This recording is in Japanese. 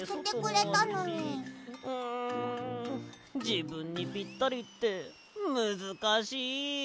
じぶんにぴったりってむずかしい。